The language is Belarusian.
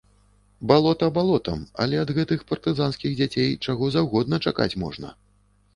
Балота балотам, але ад гэтых партызанскіх дзяцей чаго заўгодна чакаць можна!